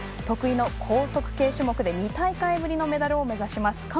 得意の高速系種目で２大会ぶりのメダルを目指します。